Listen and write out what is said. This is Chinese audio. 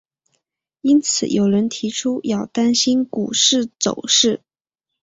因此有人提出要当心股市走势。